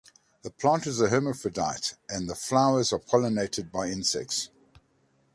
The plant is hermaphrodite and the flowers are pollinated by insects.